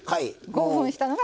５分たったのが。